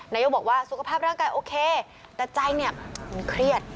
นายกบอกว่าสุขภาพร่างกายโอเคแต่ใจเนี่ยมันเครียด